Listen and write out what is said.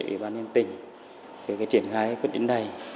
để ủy ban nhân tỉnh về triển khái quyết định này